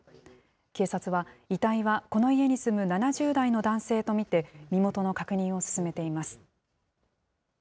警察は、遺体はこの家に住む７０代の男性と見て、身元の確認を進めています。